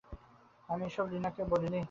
আমি এসব লীনাকে বলিনি।